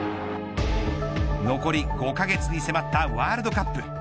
残り５カ月に迫ったワールドカップ。